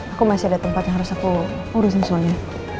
aku masih ada tempat yang harus aku urusin semuanya